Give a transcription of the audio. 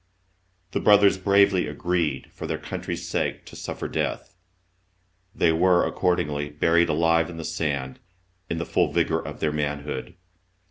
The brothers bravely agreed, for their country's sake, to suffer death ; they were accordingly buried alive in the sand, in the full vigour of their manhood.